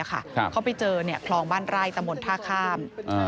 เขาไปเจอคลองบ้านไร่ตะมนต์ท่าข้าม